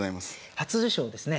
初受賞ですね。